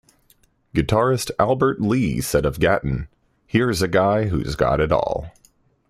"Guitarist Albert Lee said of Gatton, "Here's a guy who's got it all.